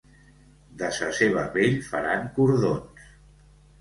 De sa seva pell faran cordons.